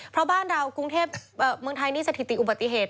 เพราะบ้านเรากรุงเทพเมืองไทยนี่สถิติอุบัติเหตุ